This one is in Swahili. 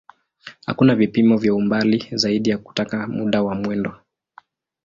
Hakuna vipimo vya umbali zaidi ya kutaja muda wa mwendo.